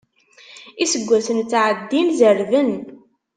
Iseggasen ttɛeddin, zerrben.